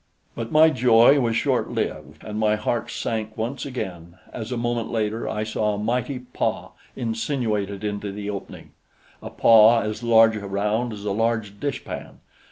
But my joy was short lived, and my heart sank once again as a moment later I saw a mighty paw insinuated into the opening a paw as large around as a large dishpan.